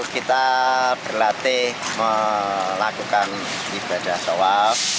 kita berlatih melakukan ibadah tawaf